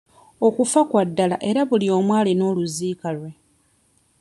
Okufa kwa ddala era buli omu alina oluziika lwe.